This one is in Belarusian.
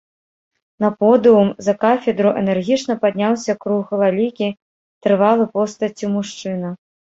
На подыум, за кафедру, энергічна падняўся круглалікі, трывалы постаццю мужчына.